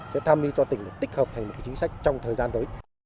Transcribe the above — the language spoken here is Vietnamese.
sẽ tham mưu cho tỉnh tích hợp thành một chính sách trong thời gian tới